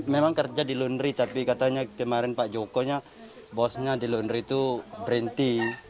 memang kerja di lundri tapi katanya kemarin pak joko nya bosnya di lundri itu berhenti